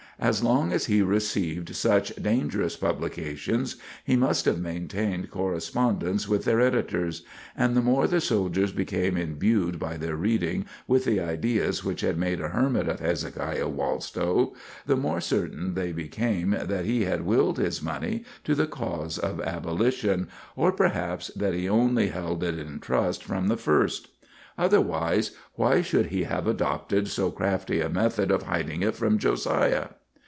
As long as he received such dangerous publications, he must have maintained correspondence with their editors; and the more the soldiers became imbued by their reading with the ideas which had made a hermit of Hezekiah Wallstow, the more certain they became that he had willed his money to the cause of abolition, or perhaps that he only held it in trust from the first. Otherwise, why should he have adopted so crafty a method of hiding it from Josiah?